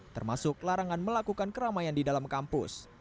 termasuk larangan melakukan keramaian di dalam kampus